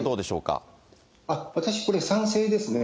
私、これ、賛成ですね。